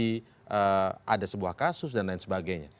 dalam posisi ada sebuah kasus dan lain sebagainya